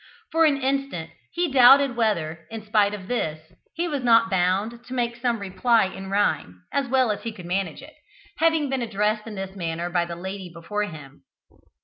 For an instant he doubted whether, in spite of this, he was not bound to make some reply in rhyme, as well as he could manage it, having been addressed in this manner by the lady before him.